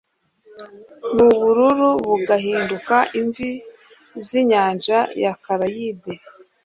n'ubururu bugahinduka imvi z'inyanja ya karayibe